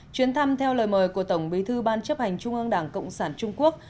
chuyến thăm theo lời mời của tổng bí thư ban chấp hành trung ương đảng cộng sản trung quốc